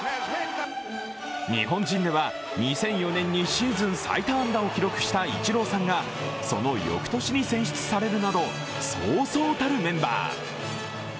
日本人では２００４年にシーズン最多安打を記録したイチローさんがその翌年に選出されるなどそうそうたるメンバー。